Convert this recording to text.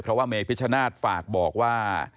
เพราะว่าเมพิชนาธิ์ฝากบอกว่า